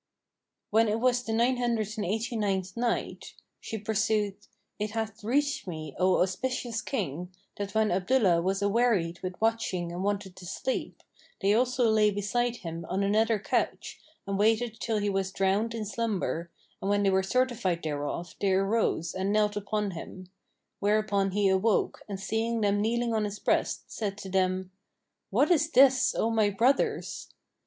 When it was the Nine Hundred and Eighty ninth Night, She pursued, It hath reached me, O auspicious King, that when Abdullah was a wearied with watching and wanted to sleep, they also lay beside him on another couch and waited till he wasdrowned in slumber and when they were certified thereof they arose and knelt upon him: whereupon he awoke and seeing them kneeling on his breast, said to them, "What is this, O my brothers?"